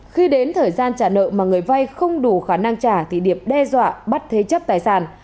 khi đến thời gian trả nợ mà người vay không đủ khả năng trả thì điệp đe dọa bắt thế chấp tài sản